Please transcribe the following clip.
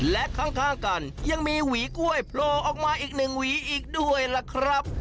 และข้างกันยังมีหวีกล้วยโผล่ออกมาอีกหนึ่งหวีอีกด้วยล่ะครับ